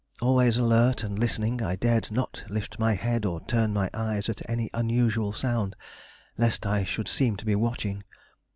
Always alert and listening, I dared not lift my head or turn my eyes at any unusual sound, lest I should seem to be watching.